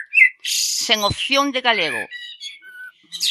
Sen opción de galego.